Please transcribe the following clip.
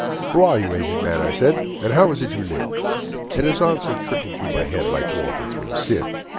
'Who are you, aged man?' I said. 'And how is it you live?' And his answer trickled through my head, Like water through a sieve.